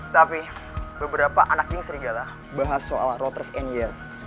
tapi beberapa anak king serigala bahas soal roters and yard